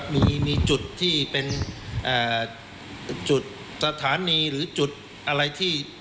มีจุดที่เป็นจุดสถานีหรือจุดอะไรที่